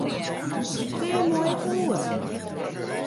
Dêr mei ik wol oer.